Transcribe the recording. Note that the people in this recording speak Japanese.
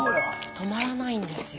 止まらないんですよ。